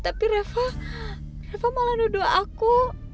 tapi reva malah nuduh aku